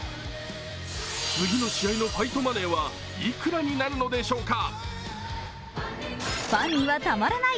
次の試合のファイトマネーはいくらになるのでしょうか。